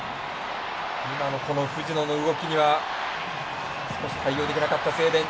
今の、この藤野の動きには少し対応できなかったスウェーデン。